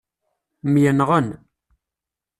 Myenɣen.